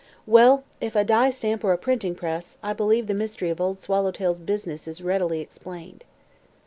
Well, if a die stamp or a printing press, I believe the mystery of Old Swallowtail's 'business' is readily explained."